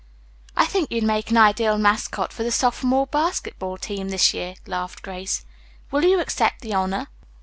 "I think you'd make an ideal mascot for the sophomore basketball team this year," laughed Grace. "Will you accept the honor?"